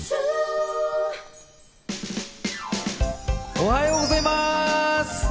おはようございます。